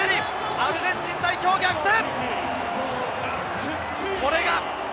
アルゼンチン代表逆転！